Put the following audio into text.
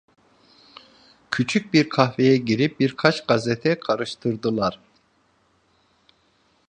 Küçük bir kahveye girip birkaç gazete karıştırdılar.